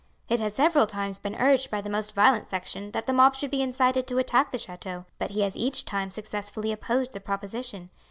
"It has several times been urged by the most violent section that the mob should be incited to attack the chateau, but he has each time successfully opposed the proposition.